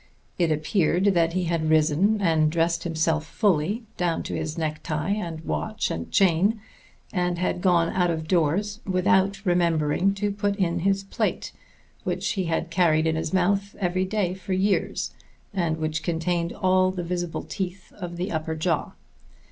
It appeared that he had risen and dressed himself fully, down to his necktie and watch and chain, and had gone out of doors without remembering to put in this plate, which he had carried in his mouth every day for years, and which contained all the visible teeth of the upper jaw.